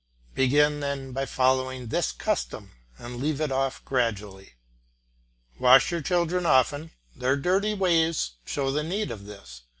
Begin then by following this custom, and leave it off gradually. Wash your children often, their dirty ways show the need of this.